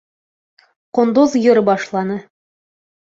Ҡондоҙ йыр башланы: